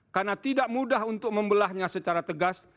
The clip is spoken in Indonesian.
karena tidak mudah untuk membelahnya secara tegas